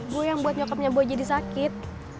boy yang buat nyokapnya boy jadi sakit